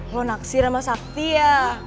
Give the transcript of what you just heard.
lo naksir sama sakti ya